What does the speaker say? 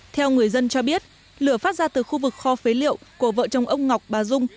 theo người dân cho biết lửa phát ra từ khu vực kho phế liệu của vợ chồng ông ngọc bà dung